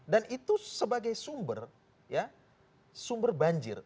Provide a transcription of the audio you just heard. dan itu sebagai sumber sumber banjir